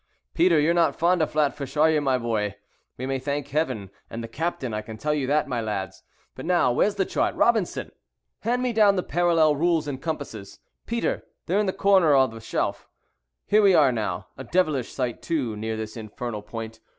Peter, you're not fond of flatfish, are you, my boy? We may thank Heaven and the captain, I can tell you that, my lads; but now, where's the chart, Robinson? Hand me down the parallel rules and compasses, Peter; they are in the corner of the shelf. Here we are now, a devilish sight too near this infernal point.